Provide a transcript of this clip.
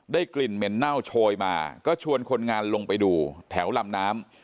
กลิ่นเหม็นเน่าโชยมาก็ชวนคนงานลงไปดูแถวลำน้ำ